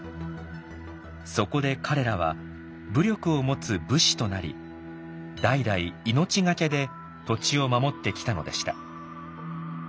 そこで彼らは武力を持つ武士となり代々命懸けで土地を守ってきたのでした。